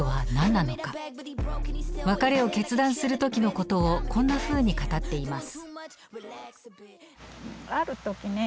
別れを決断する時のことをこんなふうに語っています。